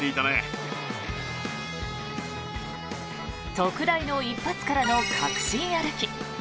特大の一発からの確信歩き。